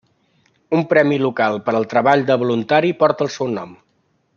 Un premi local per al treball de voluntari porta el seu nom.